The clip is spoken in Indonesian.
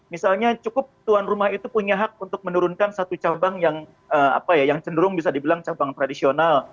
misalnya cukup tuan rumah itu punya hak untuk menurunkan satu cabang yang cenderung bisa dibilang cabang tradisional